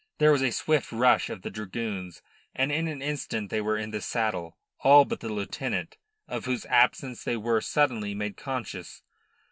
There was a swift rush of the dragoons and in an instant they were in the saddle, all but the lieutenant, of whose absence they were suddenly made conscious.